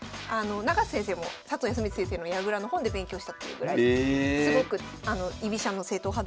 永瀬先生も佐藤康光先生の矢倉の本で勉強したっていうぐらいすごく居飛車の正統派だったんですけど。